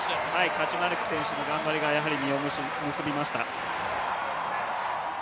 カチュマレク選手の頑張りが実を結びました。